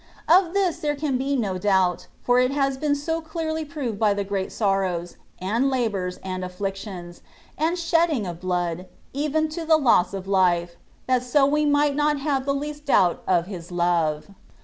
Of this there can be no doubt, for it has been so clearly proved by the great sorrows, and labours and affictions, and shedding of blood, even to the loss of life, that so we might not have the least doubt of His love